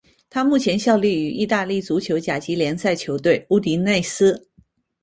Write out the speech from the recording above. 他目前效力于意大利足球甲级联赛球队乌迪内斯。